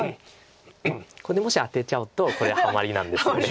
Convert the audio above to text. これでもしアテちゃうとこれハマリなんです。